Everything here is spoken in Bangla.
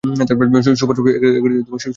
সুপারশপে যাব কিছু কিনতে।